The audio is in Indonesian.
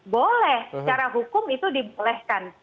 boleh secara hukum itu dibolehkan